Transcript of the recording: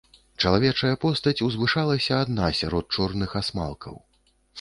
Чалавечая постаць узвышалася адна сярод чорных асмалкаў.